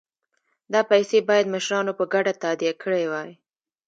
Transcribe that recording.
دا پیسې باید مشرانو په ګډه تادیه کړي وای.